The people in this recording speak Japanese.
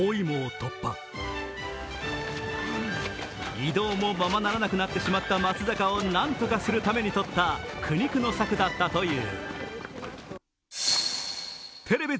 移動もままならなくなってしまった松坂を何とかするためにとった苦肉の策だったという。